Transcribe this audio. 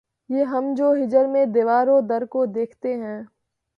یہ ہم جو ہجر میں دیوار و در کو دیکھتے ہیں